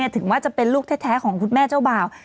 ถึงว่าจะเป็นลูกแท้ของคุณแม่เจ้าบ่าว